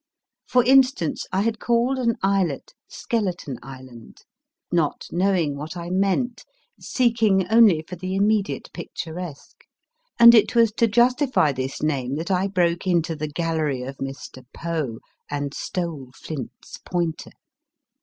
For instance, I had called an islet Skeleton Island, not knowing what I meant, seeking only for the immediate picturesque, and it was to justify this name that I broke into the gallery of Mr. Foe and stole Flint s pointer.